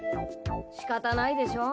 しかたないでしょう。